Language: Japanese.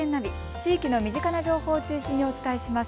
地域の身近な情報を中心にお伝えします。